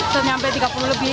sampai tiga puluh lebih